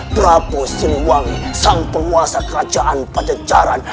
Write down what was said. prabu siluwangi sang penguasa kerajaan pajajaran